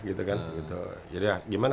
gitu kan jadi ya gimana